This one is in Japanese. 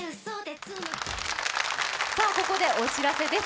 さあここでお知らせです。